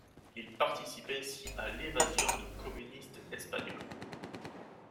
Il participe ainsi à l'évasion de communistes espagnols.